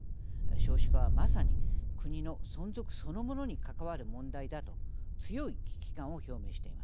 少子化はまさに国の存続そのものに関わる問題だと強い危機感を表明しています。